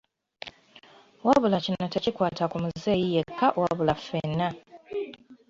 Wabula kino tekikwata ku muzeeyi yekka wabula ffena.